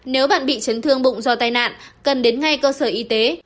nếu bạn bị chấn thương bụng do tai nạn cần đến ngay cơ sở y tế